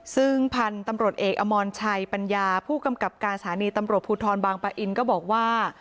ซึ่งพันธุ์ตำรวจเอกอมรชัยปัญญาผู้กำกับการสถานีตำรวจภูทรบางปะอินก็บอกว่า